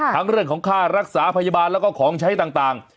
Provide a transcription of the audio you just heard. เรื่องของค่ารักษาพยาบาลแล้วก็ของใช้ต่าง